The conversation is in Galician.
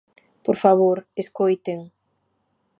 ¡Por favor, escoiten!